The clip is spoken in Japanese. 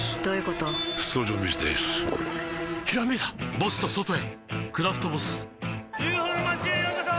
ボスと外へ「クラフトボス」ＵＦＯの町へようこそ！